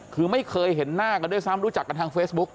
คือไม่เคยเห็นหน้ากันด้วยซ้ำรู้จักกันทางเฟซบุ๊ค